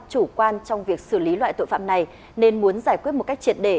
chủ quan trong việc xử lý loại tội phạm này nên muốn giải quyết một cách triệt để